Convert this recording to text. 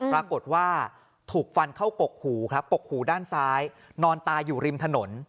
ปรากฏว่าถูกฟันเข้ากกหูครับกกหูด้านซ้ายนอนตายอยู่ริมถนน